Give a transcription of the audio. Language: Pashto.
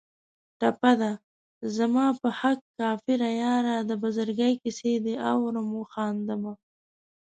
ټپه ده: زما په حق کافره یاره د بزرګۍ کیسې دې اورم و خاندمه